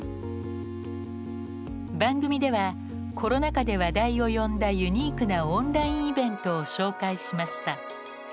番組ではコロナ禍で話題を呼んだユニークなオンラインイベントを紹介しました。